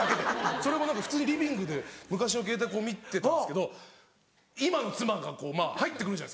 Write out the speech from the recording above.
それも何か普通にリビングで昔のケータイ見てたんですけど今の妻がこうまぁ入って来るじゃないですか。